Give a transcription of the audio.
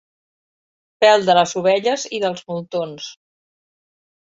Pèl de les ovelles i dels moltons.